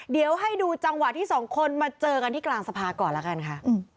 เดี๋ยวให้ดูจังหวะที่สองคนมาเจอกันที่กลางสภาก่อนแล้วกันค่ะ